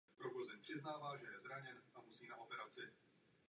Tím se ovšem lokomotiva značně prodloužila.